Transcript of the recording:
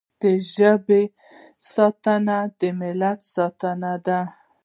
ژبه د ژبې ساتنه د ملت ساتنه ده